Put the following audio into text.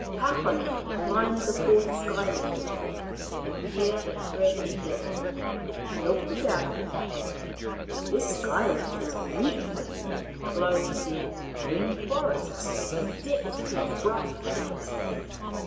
Tawhaki climbed the fourth Sky land. Here the thread ended. He looked about him. This Sky land was beautiful, clothed in green forests and decked with bright flowers.